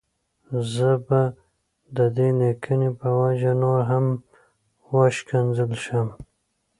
زه به د دې ليکنې په وجه نور هم وشکنځل شم.